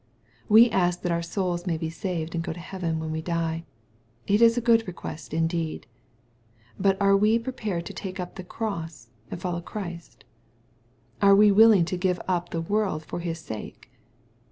We ask that our souls may be saved and go to heaven, when we die. It is a good request indeed. But are we prepared to take up the cross, and follow Christ ? Are we willing to give up the world for His sake